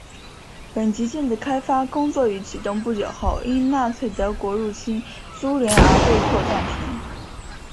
本级舰的开发工作于启动不久后即因纳粹德国入侵苏联而被迫暂停。